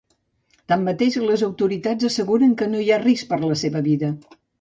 Tanmateix, les autoritats asseguren que no hi ha risc per la seva vida.